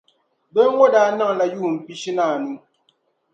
Doo ŋɔ daa niŋla yuun' pishi ni anu.